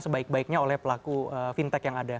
sebaik baiknya oleh pelaku fintech yang ada